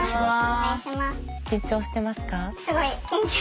緊張してますか？